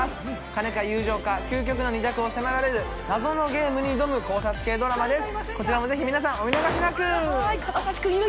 金か友情か究極の２択を迫られる謎のゲームに挑む考察系ドラマです。